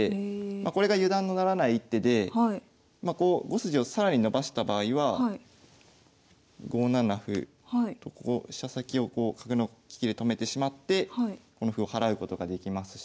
これが油断のならない一手で５筋を更に伸ばした場合は５七歩と飛車先を角の利きで止めてしまってこの歩を払うことができますし。